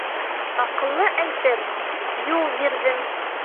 Аҡыллы әйтер «юл бирҙем».